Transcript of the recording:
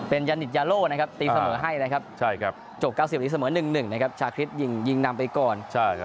เป็นยันนิตยาโหลตีเสมอให้จบ๙๐อาทีเสมอ๑๑นะครับชาคริตยิงนำไปก่อน